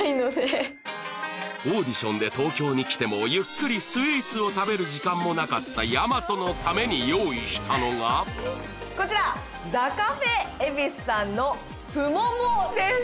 オーディションで東京に来てもゆっくりスイーツを食べる時間もなかったこちらダカフェ恵比寿さんのぷ桃です